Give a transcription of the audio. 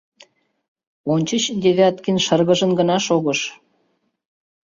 Ончыч Девяткин шыргыжын гына шогыш.